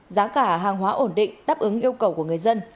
giá cả hàng hóa ổn định đáp ứng yêu cầu của người dân